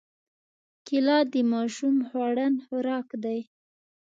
کېله د ماشوم خوړن خوراک دی.